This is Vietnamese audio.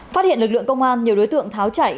phát hiện lực lượng công an nhiều đối tượng tháo chạy